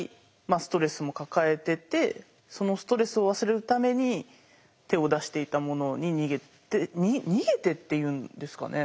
ストレスも抱えててそのストレスを忘れるために手を出していたものに逃げて逃げてって言うんですかね。